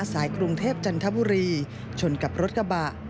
กรุงเทพจันทบุรีชนกับรถกระบะ